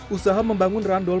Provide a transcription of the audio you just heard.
usaha membangun randol pun